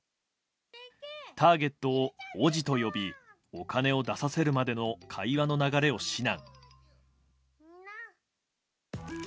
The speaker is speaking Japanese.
ターゲットをおぢと呼びお金を出させるまでの会話の流れを指南。